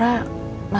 mas kasih lihat